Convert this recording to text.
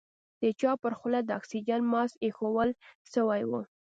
د چا پر خوله د اکسيجن ماسک ايښوول سوى و.